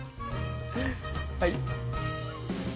はい。